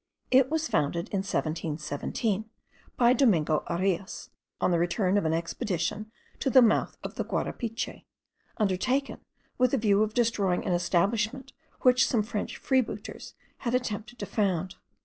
It was founded in 1717 by Domingo Arias, on the return of an expedition to the mouth of the Guarapiche, undertaken with the view of destroying an establishment which some French freebooters had attempted to found.